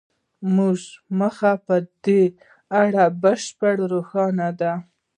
زموږ موخه په دې اړه بشپړه روښانه ده